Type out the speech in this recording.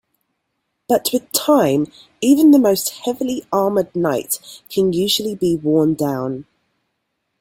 But with time, even the most heavily armored Knight can usually be worn-down.